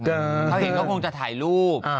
เขาเห็นเขาคงจะถ่ายรูป